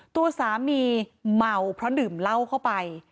ตัวสามีเมาเพราะดื่มเหล้าเข้าไป